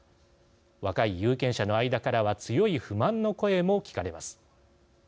若い有権者の間からは強い不満の声も聞かれます。